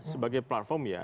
sebagai platform ya